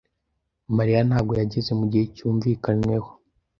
Mariya ntabwo yageze mugihe cyumvikanyweho.